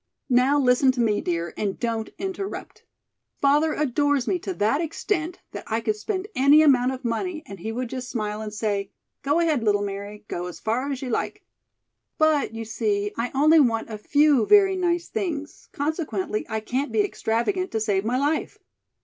"Now, listen to me, dear, and don't interrupt. Father adores me to that extent that I could spend any amount of money and he would just smile and say: 'Go ahead, little Mary, go as far as you like.' But, you see, I only want a few very nice things, consequently, I can't be extravagant to save my life."